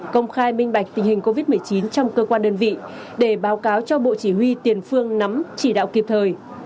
công khai minh bạch tình hình covid một mươi chín trong cơ quan đơn vị để báo cáo cho bộ chỉ huy tiền phương nắm chỉ đạo kịp thời